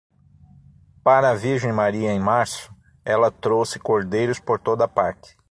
Para a Virgem Maria, em março, ela trouxe cordeiros por toda parte.